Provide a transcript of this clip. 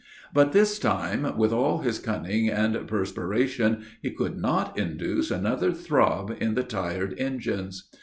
But this time, with all his cunning and perspiration, he could not induce another throb in the tired engines.